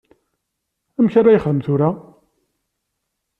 Amek ara yexdem tura?